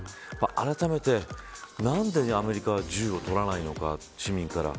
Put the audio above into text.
あらためて、何でアメリカは銃を取らないのか、市民から。